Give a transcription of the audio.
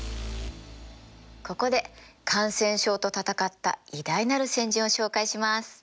ここで感染症と闘った偉大なる先人を紹介します。